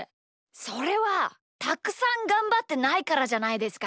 それはたくさんがんばってないからじゃないですか？